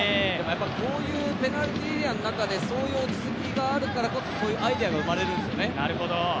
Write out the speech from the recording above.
こういうペナルティーエリアの中でそういう落ち着きがあるからこそ、そういうアイデアが生まれるんですよね。